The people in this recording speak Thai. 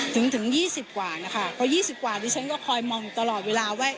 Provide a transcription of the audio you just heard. ถึงถึง๒๐กว่านะคะเพราะ๒๐กว่าดิฉันก็คอยมองอยู่ตลอดเวลาว่า